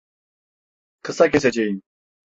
Kısa keseceğim.